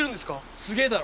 すげえだろ。